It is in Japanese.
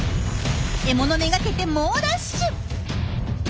獲物目がけて猛ダッシュ！